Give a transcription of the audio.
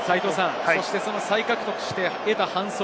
再獲得して得た反則。